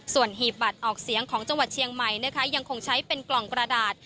ส่วนหีบบัตรออกเสียงของจังหวัดเชียงใหม่นะคะยังคงใช้เป็นกล่องกระดาษ